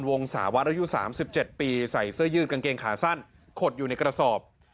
วงศาวัดอายุ๓๗ปีใส่เสื้อยืดกางเกงขาสั้นขดอยู่ในกระสอบ